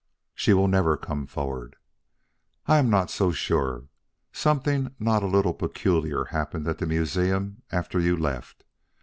"She will never come forward." "I am not so sure. Something not a little peculiar happened at the museum after you left.